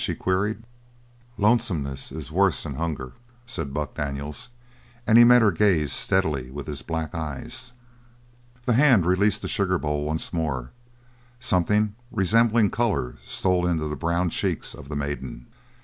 she queried. "Lonesomeness is worse'n hunger," said Buck Daniels, and he met her gaze steadily with his black eyes. The hand released the sugar bowl once more; something resembling colour stole into the brown cheeks of the maiden.